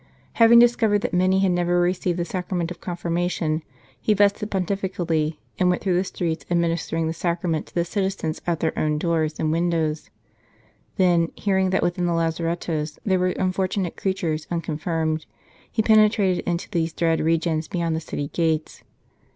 Having discovered that many had never received the Sacrament of Confirmation, he vested pontifi cally and went through the streets administering the Sacrament to the citizens at their own doors St. Charles Borromeo and windows. Then, hearing that within the lazarettoes there were some unfortunate creatures unconfirmed, he penetrated into these dread regions beyond the city gates.